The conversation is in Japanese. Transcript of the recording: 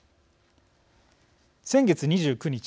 先月２９日